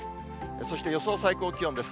そして予想最高気温です。